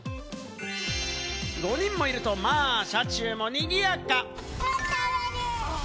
５人もいると、まぁ車中もにぎやか。